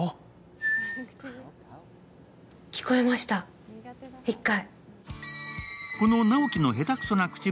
聞こえました、１回。